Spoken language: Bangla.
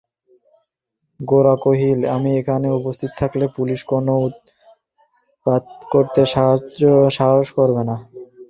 গোরা কহিল, আমি এখানে উপস্থিত থাকলে পুলিস কোনো উৎপাত করতে সাহস করবে না।